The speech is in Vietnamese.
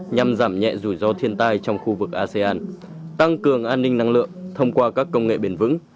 nhằm giảm nhẹ rủi ro thiên tai trong khu vực asean tăng cường an ninh năng lượng thông qua các công nghệ bền vững